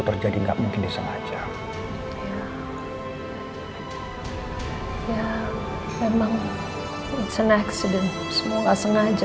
terjadi nggak mungkin disengaja ya memang senyum sedih semula sengaja